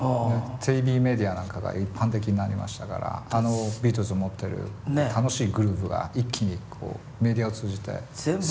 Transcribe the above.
テレビメディアなんかが一般的になりましたからあのビートルズの持ってる楽しいグルーブが一気にこうメディアを通じて世界を包んだ。